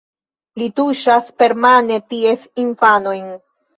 Li tuŝas permane ties infanojn.